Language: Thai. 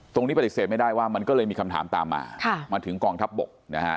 ปฏิเสธไม่ได้ว่ามันก็เลยมีคำถามตามมามาถึงกองทัพบกนะฮะ